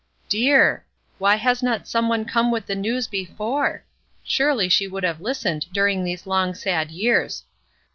Dear! Why has not some one come with the news before? Surely she would have listened during these long, sad years.